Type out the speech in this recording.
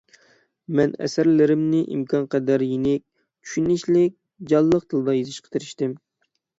مەن ئەسەرلىرىمنى ئىمكانقەدەر يېنىك، چۈشىنىشلىك، جانلىق تىلدا يېزىشقا تىرىشتىم.